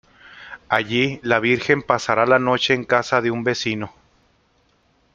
Allí la Virgen pasará la noche en casa de un vecino.